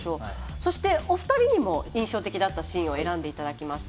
そして、お二人にも印象的だったシーンを選んでいただきました。